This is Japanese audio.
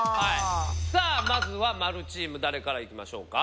さあまずは○チーム誰からいきましょうか？